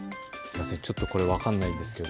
ちょっとこれ分かんないんですけど。